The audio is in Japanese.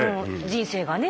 人生がね。